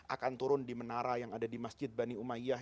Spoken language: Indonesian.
akan turun di menara yang ada di masjid bani umayyah